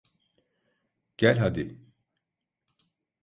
Gel hadi!